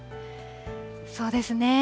そうですね。